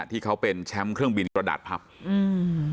ที่เขาเป็นแชมป์เครื่องบินกระดาษพับอืม